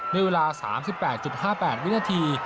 ในเวลา๓๘๕๘วินาที